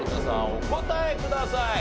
お答えください。